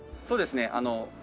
そうですね。